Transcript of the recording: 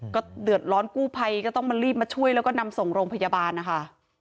ก็เดือดร้อนกู้ภัยก็ต้องมารีบมาช่วยแล้วก็นำส่งโรงพยาบาลนะคะ